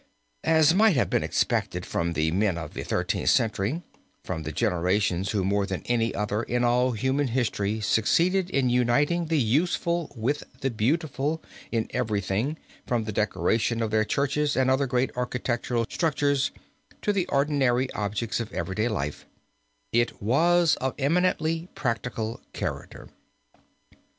As might have been expected from the men of the Thirteenth Century from the generations who more than any other in all human history succeeded in uniting the useful with the beautiful in everything from the decoration of their churches and other great architectural structures to the ordinary objects of everyday life it was of eminently practical character.